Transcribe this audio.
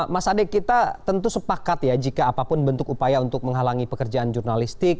mas ade kita tentu sepakat ya jika apapun bentuk upaya untuk menghalangi pekerjaan jurnalistik